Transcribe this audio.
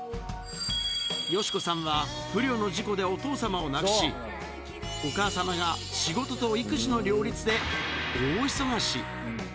佳子さんは、不慮の事故でお父様を亡くし、お母様が仕事と育児の両立で大忙し。